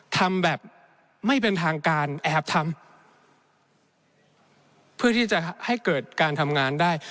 ทำแบบไม่เป็นทางการแอบทำเพื่อที่จะให้เกิดการทำงานได้